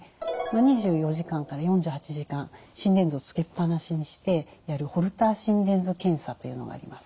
２４時間から４８時間心電図をつけっぱなしにしてやるホルター心電図検査というのがあります。